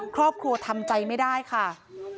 ครอบครัวทำใจไม่ได้ค่ะ